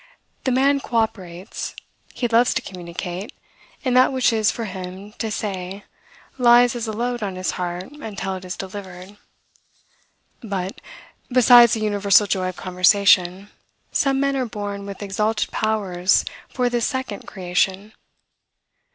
The man cooperates. He loves to communicate; and that which is for him to say lies as a load on his heart until it is delivered. But, besides the universal joy of conversation, some men are born with exalted powers for this second creation.